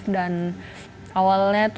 dan awalnya tur dulu